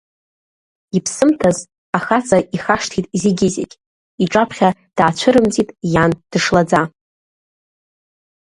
Иԥсымҭаз ахаҵа ихашҭит зегьы-зегь, иҿаԥхьа даацәырымҵит иан дышлаӡа.